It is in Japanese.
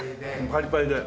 パリパリで。